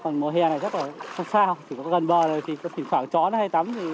còn mùa hè này chắc là sao chỉ có gần bờ rồi chỉ có khoảng chó nó hay tắm thì